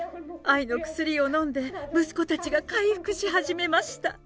愛の薬を飲んで、息子たちが回復し始めました。